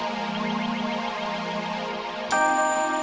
motor saya di bawah mas